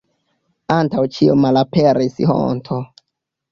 Antaŭ ĉio malaperis honto.